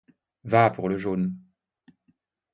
Va pour le jaune.